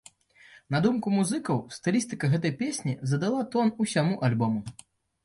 На думку музыкаў, стылістыка гэтай песні задала тон усяму альбому.